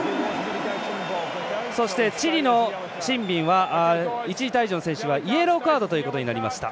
そして、チリのシンビンは一時退場の選手はイエローカードということになりました。